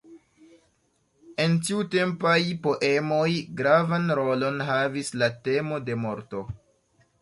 En tiutempaj poemoj, gravan rolon havis la temo de morto.